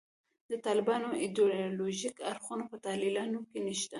د طالبانو ایدیالوژیک اړخونه په تحلیلونو کې نشته.